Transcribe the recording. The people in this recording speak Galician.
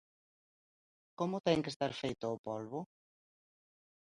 Como ten que estar feito o polbo?